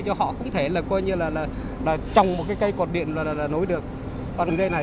cho họ cũng thể là coi như là trồng một cái cây quạt điện là nối được con dây này